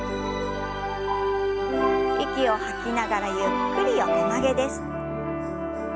息を吐きながらゆっくり横曲げです。